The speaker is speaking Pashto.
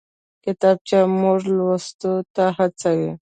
کتابچه موږ لوستو ته هڅوي